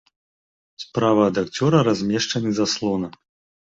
Справа ад акцёра размешчаны заслона.